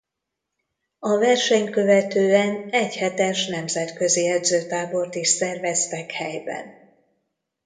A versenyt követően egy hetes nemzetközi edzőtábort is szerveztek helyben.